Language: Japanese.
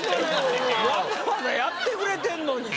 わざわざやってくれてんのにさ。